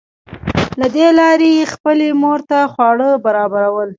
له دې لارې یې خپلې مور ته خواړه برابرول